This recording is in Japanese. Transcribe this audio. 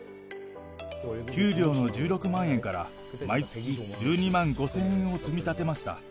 給料の１６万円から、毎月１２万５０００円を積み立てました。